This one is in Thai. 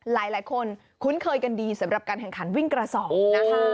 หลายคนคุ้นเคยกันดีสำหรับการแข่งขันวิ่งกระสอบนะคะ